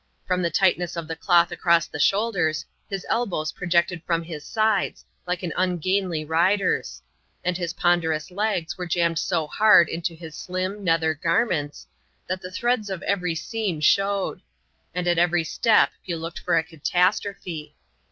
From the tightness of the cloth across the shoulders, his elbows projected from his sides, like an ungainly rider's ; and his ponderous legs were jammed so hard into his slim, nether garments, that the threads of every seam showed ; and at every step you looked for a catastrophe.